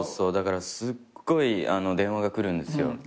だからすっごい電話が来るんですよ。